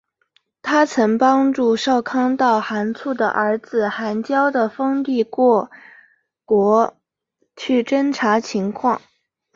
她曾帮助少康到寒浞的儿子寒浇的封地过国去侦察情况。